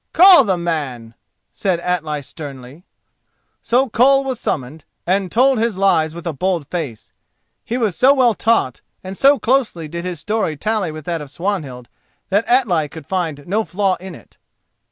"Call the man," said Atli sternly. So Koll was summoned, and told his lies with a bold face. He was so well taught, and so closely did his story tally with that of Swanhild, that Atli could find no flaw in it.